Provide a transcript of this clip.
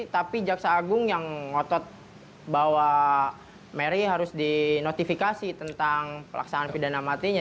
tapi jaksa agung yang ngotot bahwa mary harus dinotifikasi tentang pelaksanaan pidana matinya